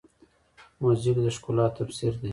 موزیک د ښکلا تفسیر دی.